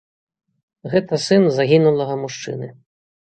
Гэта сын загінулага мужчыны.